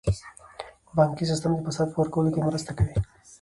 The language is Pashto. بانکي سیستم د فساد په ورکولو کې مرسته کوي.